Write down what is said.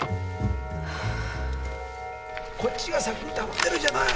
こっちが先に頼んでるじゃない。